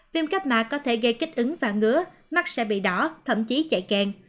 viêm kết mạc có thể gây kích ứng và ngứa mắt sẽ bị đỏ thậm chí chạy kèn